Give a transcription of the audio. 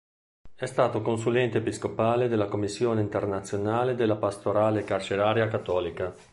È stato consulente episcopale della Commissione internazionale della pastorale carceraria cattolica.